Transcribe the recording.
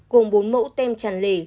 gồm bốn mẫu tem tràn lề